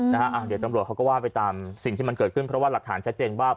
เดี๋ยวตำรวจเขาก็ว่าไปตามสิ่งที่มันเกิดขึ้นเพราะว่าหลักฐานชัดเจนว่า